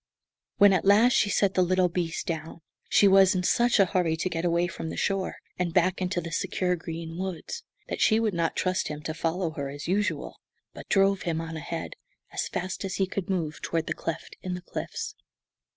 When, at last, she set the little beast down, she was in such a hurry to get away from the shore and back into the secure green woods that she would not trust him to follow her, as usual, but drove him on ahead, as fast as he could move, toward the cleft in the cliffs.